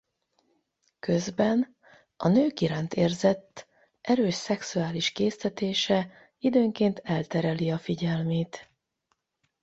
Közben a nők iránt érzett erős szexuális késztetése időnként eltereli a figyelmét.